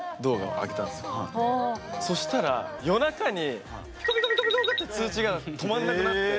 そしたらって通知が止まんなくなって。